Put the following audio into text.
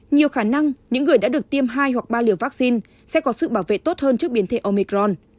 nhiều khả năng những người đã được tiêm hai hoặc ba liều vaccine sẽ có sự bảo vệ tốt hơn trước biến thể omicron